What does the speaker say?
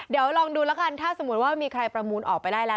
เดี๋ยวลองดูแล้วกันถ้าสมมุติว่ามีใครประมูลออกไปได้แล้ว